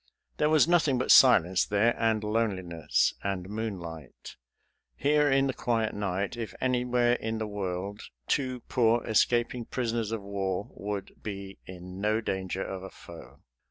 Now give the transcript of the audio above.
There was nothing but silence there, and loneliness, and moonlight. Here in the quiet night, if anywhere in the world, two poor escaping prisoners of war would be in no danger of a foe.